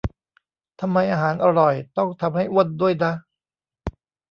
ทำไมอาหารอร่อยต้องทำให้อ้วนด้วยนะ